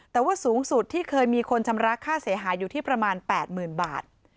แต่ว่าสูงสุดที่เคยมีคนชำระค่าเสียหายอยู่ที่ประมาณ๘๐๐๐บาท